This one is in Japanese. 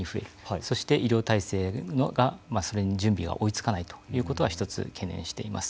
そして医療体制がそれに準備が追いつかないということが１つ懸念しています。